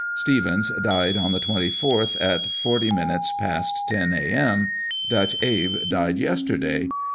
Stevens died on the 24th at forty minutes past ten A.M. ; Dutch Abe died yes terday.